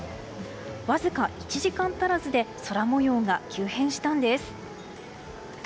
わずか１時間足らずで空模様が急変したんです。